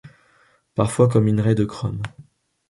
Parfois comme minerai de chrome.